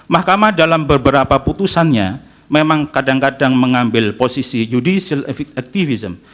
mahkamah dalam beberapa putusannya memang kadang kadang mengambil posisi judicial effect activism